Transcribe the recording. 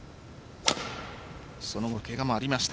その後のケガもありました。